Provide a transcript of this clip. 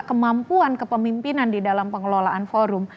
kemampuan kepemimpinan di dalam pengelolaan forum